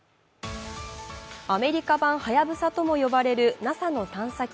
アメリカ版「はやぶさ」とも呼ばれるＮＡＳＡの探査機